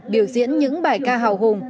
điều diễn những bài ca hào hùng